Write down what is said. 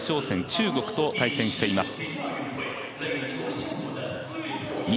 中国と対戦しています。